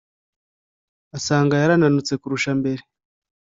asanga yarananutse kurusha mbere;